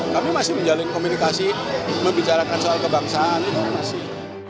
kami masih menjalin komunikasi membicarakan soal kebangsaan itu masih